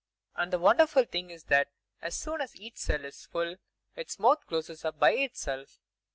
And the wonderful thing is that as soon as each cell is full, its mouth closes up by itself!